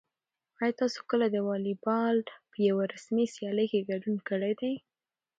آیا تاسو کله د واليبال په یوه رسمي سیالۍ کې ګډون کړی دی؟